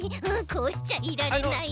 こうしちゃいられない。